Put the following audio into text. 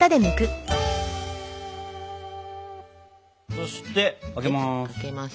そしてあげます。